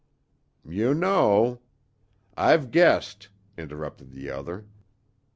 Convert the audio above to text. "You know " "I've guessed," interrupted the other.